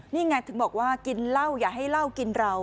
นี่ไงถึงบอกว่ากินเหล้าอย่าให้เหล้ากินเรา